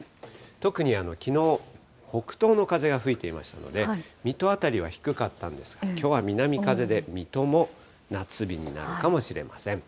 特にきのう、北東の風が吹いていましたので、水戸辺りは低かったんですが、きょうは南風で、水戸も夏日になるかもしれません。